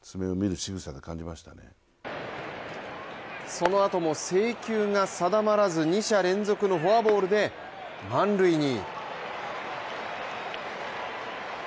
そのあとも制球が定まらず二者連続のフォアボールで満塁に。